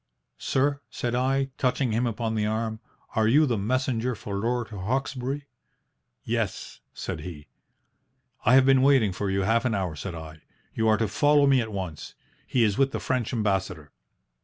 "'Sir," said I, touching him upon the arm, 'are you the messenger for Lord Hawkesbury?' "'Yes,' said he. "'I have been waiting for you half an hour,' said I. 'You are to follow me at once. He is with the French Ambassador.'